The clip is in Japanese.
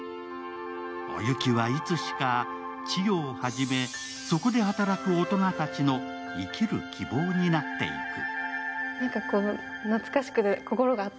お雪はいつしか、千代を初めそこで働く大人たちの生きる希望になっていく。